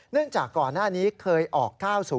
เนื่องจากก่อนหน้านี้เคยออก๙๐๒